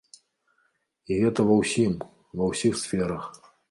І гэта ва ўсім, ва ўсіх сферах.